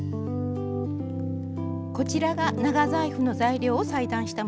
こちらが長財布の材料を裁断したものです。